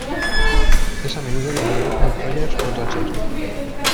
Es a menudo llamado "Mick Rogers", o "Dodger".